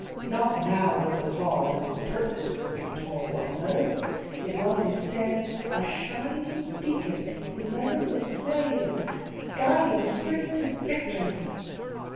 Not now was the Cause an IMPERTINENCE in tall black letters. It was, instead, a shining beacon in letters of flame guiding straight to victory.